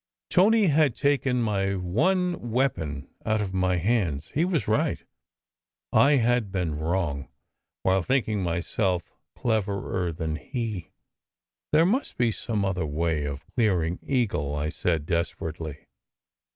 Tony had taken my one weapon out of my hands. He was right. I had been wrong, while thinking myself cleverer than he. "There must be some other way of clearing Eagle," I said desperately.